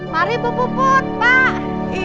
mari bu puput pak